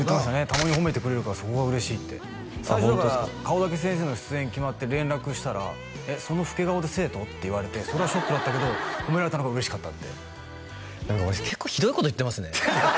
たまに褒めてくれるからそこが嬉しいって最初だから「顔だけ先生」の出演決まって連絡したら「えっその老け顔で生徒？」って言われてそれはショックだったけど褒められたのが嬉しかったって何か俺結構ひどいこと言ってますね